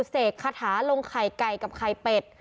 เสกคาถาลงไข่ไก่กับไข่เป็ด